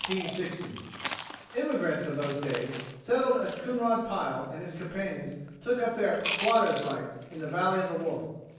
Emigrants of those days settled as Coonrod Pile and his companions took up their "squatter's rights" in the Valley o' the Wolf.